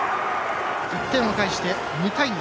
１点を返して２対１。